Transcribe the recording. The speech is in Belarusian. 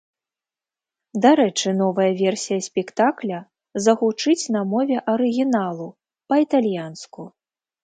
Дарэчы, новая версія спектакля загучыць на мове арыгіналу, па-італьянску.